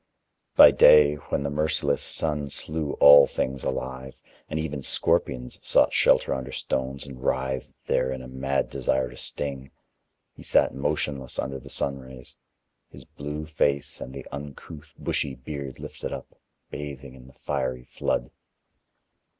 By day, when the merciless sun slew all things alive, and even scorpions sought shelter under stones and writhed there in a mad desire to sting, he sat motionless under the sunrays, his blue face and the uncouth, bushy beard lifted up, bathing in the fiery flood.